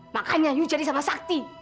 makanya you jadi sama sakti